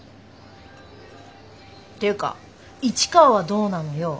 ていうか市川はどうなのよ。